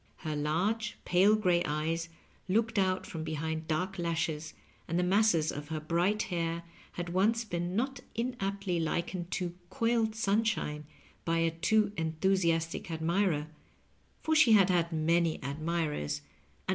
Her large, pale gray eyes looked out from behind dark lashes, and the masses of her bright hair had once been not inaptly likened to " coiled sunshine " by a too enthu siastic admirer; for shQ had had many admirers, and Digitized by VjOOQIC LOVE AND LIQHTmBQ.